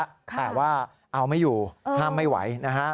เขาห้ามกันแล้วแต่ว่าเอาไม่อยู่ห้ามไม่ไหวนะฮะ